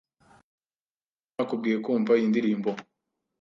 Niba nakubwiye kumva iyi ndirimbo